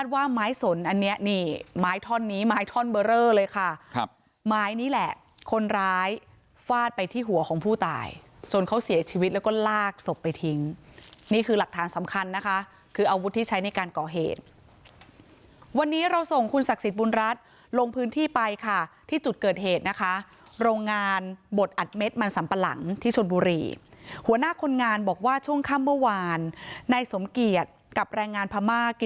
ว่าไม้สนอันนี้นี่ไม้ท่อนี้ไม้ท่อนเบอร์เลอร์เลยค่ะครับไม้นี่แหละคนร้ายฟาดไปที่หัวของผู้ตายจนเขาเสียชีวิตแล้วก็ลากศพไปทิ้งนี่คือหลักฐานสำคัญนะคะคืออาวุธที่ใช้ในการก่อเหตุวันนี้เราส่งคุณศักดิ์สิทธิ์บุญรัฐลงพื้นที่ไปค่ะที่จุดเกิดเหตุนะคะโรงงานบดอัดเมตรมันสัมปะหลังท